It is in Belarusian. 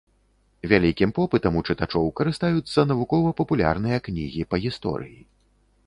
Вялікім попытам у чытачоў карыстаюцца навукова-папулярныя кнігі па гісторыі.